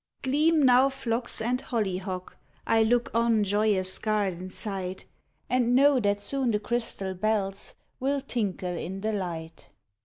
Gleam now phlox and hollyhock; I look on joyous garden site, And know that soon the crystal bells Will tinkle in the light.